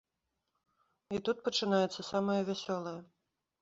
І тут пачынаецца самае вясёлае.